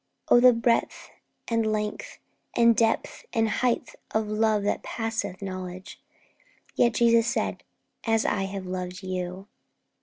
Oh, the breadth and length, And depth and height of love that passeth knowledge! Yet Jesus said, "As I have loved you."'